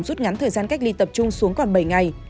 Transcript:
rút ngắn thời gian cách ly tập trung xuống còn bảy ngày